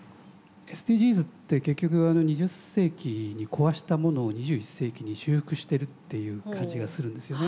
ＳＤＧｓって結局２０世紀に壊したものを２１世紀に修復してるっていう感じがするんですよね。